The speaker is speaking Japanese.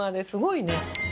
すごいね。